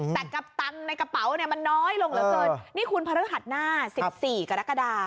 แต่กับตังค์ในกระเป๋าเนี่ยมันน้อยลงเหลือเกินนี่คุณพระฤหัสหน้า๑๔กรกฎา